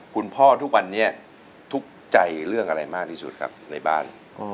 คุณพ่อทุกวันนี้ทุกใจเรื่องอะไรมากว่าที่สุดครับในบ้าน